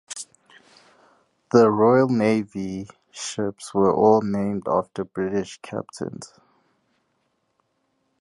The Royal Navy ships were all named after British captains.